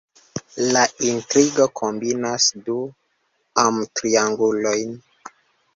La intrigo kombinas du amtriangulojn.